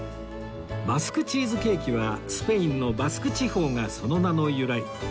バスクチーズケーキはスペインのバスク地方がその名の由来